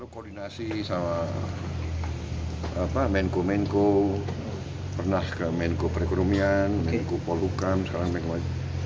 koordinasi sama menko menko pernah ke menko perekonomian menko polhukam sekarang menko